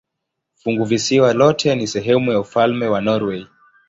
Funguvisiwa lote ni sehemu ya ufalme wa Norwei.